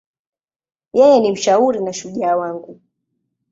Yeye ni mshauri na shujaa wangu.